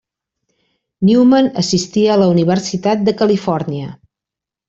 Newman assistia a la Universitat de Califòrnia.